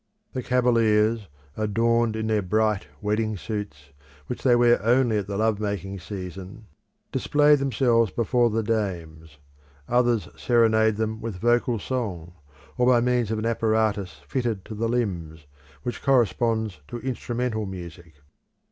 The cavaliers, adorned in their bright wedding suits, which they wear only at the lovemaking season, display themselves before the dames. Others serenade them with vocal song, or by means of an apparatus fitted to the limbs, which corresponds to instrumental music.